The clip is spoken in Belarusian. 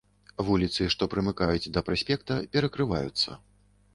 Вуліцы, што прымыкаюць да праспекта, перакрываюцца.